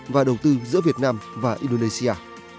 và đầu tư giữa việt nam và indonesia